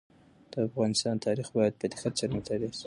د افغانستان تاریخ باید په دقت سره مطالعه شي.